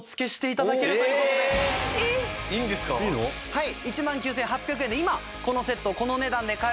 はい。